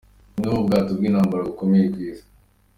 Bumwe mu bwato bw’intambara bukomeye ku Isi.